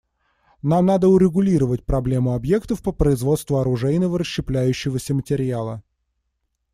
Нам надо урегулировать проблему объектов по производству оружейного расщепляющегося материала.